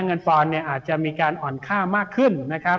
เงินฟอนเนี่ยอาจจะมีการอ่อนค่ามากขึ้นนะครับ